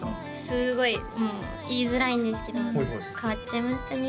すごいもう言いづらいんですけど変わっちゃいましたね